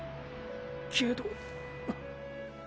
けど！